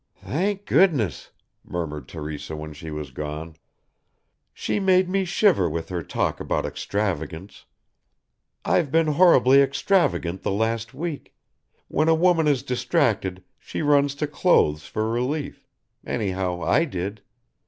"Thank goodness," murmured Teresa when she was gone. "She made me shiver with her talk about extravagance. I've been horribly extravagant the last week when a woman is distracted she runs to clothes for relief anyhow I did.